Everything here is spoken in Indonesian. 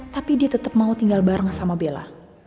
tapi dia tetap mau tinggal bareng sama bella